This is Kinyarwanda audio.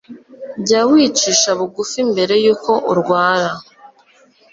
jya wicisha bugufi mbere y'uko urwara